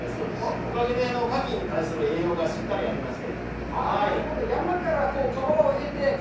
おかげでカキに対する栄養がしっかりありまして。